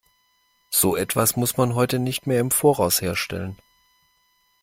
So etwas muss man heute nicht mehr im Voraus herstellen.